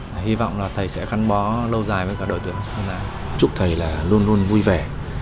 chúc thầy có một cái tết vui vẻ